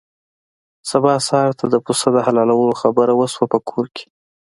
سبا سهار ته د پسه د حلالولو خبره وشوه په کور کې.